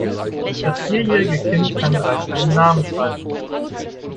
Das vierjährige Kind kann bereits seinen Namen schreiben.